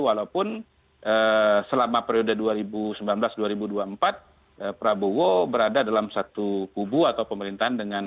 walaupun selama periode dua ribu sembilan belas dua ribu dua puluh empat prabowo berada dalam satu kubu atau pemerintahan